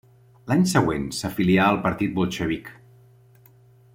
L'any següent s'afilià al Partit Bolxevic.